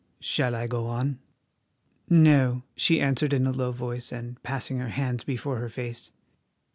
"Shall I go on?" "No," she answered in a low voice, and passing her hands before her face.